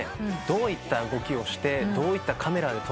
どういった動きをしてどういったカメラで撮っていく。